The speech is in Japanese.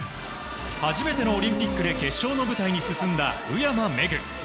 初めてのオリンピックで決勝の舞台に進んだ宇山芽紅。